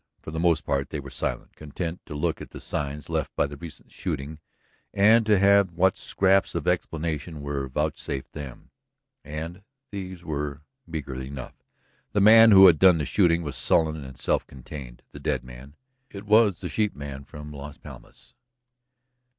For the most part they were silent, content to look at the signs left by the recent shooting and to have what scraps of explanation were vouchsafed them. And these were meagre enough. The man who had done the shooting was sullen and self contained. The dead man ... it was the sheepman from Las Palmas